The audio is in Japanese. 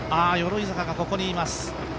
鎧坂がここにいます。